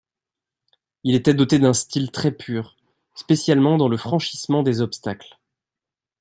Il était doté d'un style très pur, spécialement dans le franchissement des obstacles.